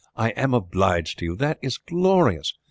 "I am obliged to you. That is glorious.